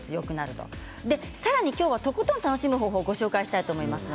さらにバラをとことん楽しむ方法をご紹介していきます。